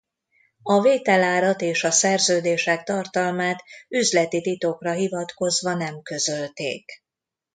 A vételárat és a szerződések tartalmát üzleti titokra hivatkozva nem közölték.